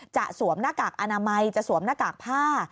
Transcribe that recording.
สวมหน้ากากอนามัยจะสวมหน้ากากผ้า